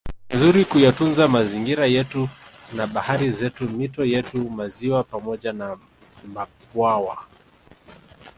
Ni vizuri kuyatunza mazingira yetu na bahari zetu mito yetu maziwa pamoja na mabwawa